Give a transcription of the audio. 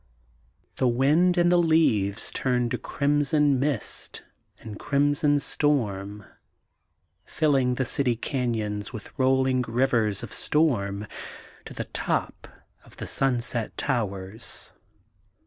The wine and the leaves turn to crimson mist and crim son storm, filling the city canyons with rolling rivers of storm to the top of the Sunset Towers.